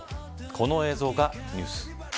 この映像がニュース。